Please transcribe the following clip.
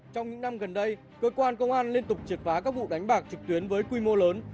trong những năm gần đây cơ quan công an liên tục triệt phá các vụ đánh bạc trực tuyến với quy mô lớn